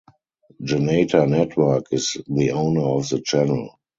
Janata Network is the owner of the channel.